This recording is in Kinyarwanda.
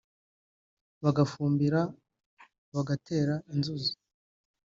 bagafumbira (bagatera) inzuzi